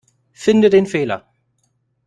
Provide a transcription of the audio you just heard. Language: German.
Finde den Fehler.